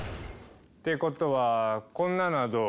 ってことはこんなのはどう？